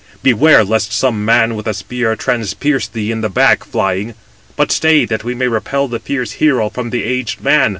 [Beware], lest some man with a spear transpierce thee in the back, flying. But stay, that we may repel the fierce hero from the aged man."